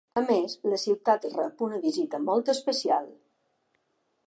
A més, la ciutat rep una visita molt especial.